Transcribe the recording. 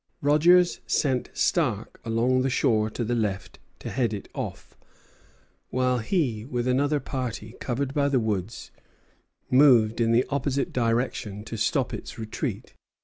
Rogers sent Stark along the shore to the left to head it off, while he with another party, covered by the woods, moved in the opposite direction to stop its retreat.